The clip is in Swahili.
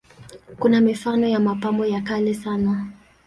Kuna mifano ya mapambo ya kale sana.